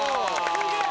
すげえ！